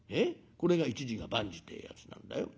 これが一事が万事ってえやつなんだよ。